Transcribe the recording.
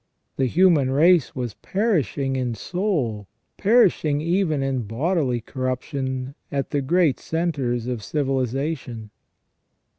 The human race was perishing in soul, perishing even in bodily corruption, at the great centres of civilization.